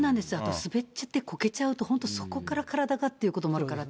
滑っちゃってこけちゃうと本当そこから体がっていうこともあるから、私、